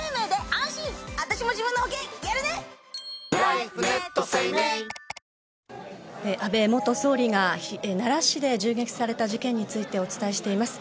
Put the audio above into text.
安倍元総理が奈良市で銃撃された事件についてお伝えしています。